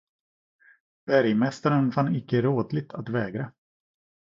Bergmästaren fann det icke rådligt att vägra.